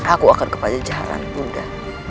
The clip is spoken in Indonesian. aku akan kepada jahatan bunda